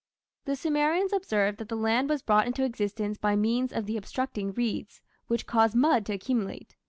The Sumerians observed that the land was brought into existence by means of the obstructing reeds, which caused mud to accumulate.